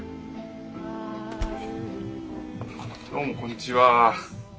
どうもこんにちは。